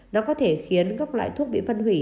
nó có thể khiến các loại thuốc bị phân hủy